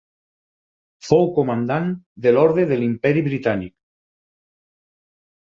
Fou Comandant de l'Orde de l'Imperi Britànic.